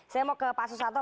saya mau ke pak susanto